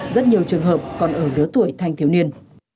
rất nhiều trường hợp còn ở lứa tuổi thanh thiếu niên